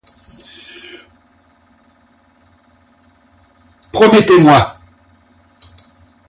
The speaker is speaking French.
Promettez-moi!